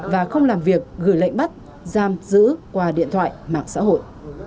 và không làm việc gửi lệnh bắt giam giữ qua điện thoại mạng xã hội